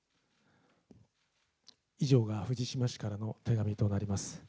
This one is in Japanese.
以上が藤島氏からの手紙となります。